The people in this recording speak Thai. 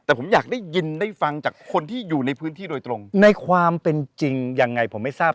แต่ผมอยากได้ยินได้ฟังจากคนที่อยู่ในพื้นที่โดยตรงในความเป็นจริงยังไงผมไม่ทราบ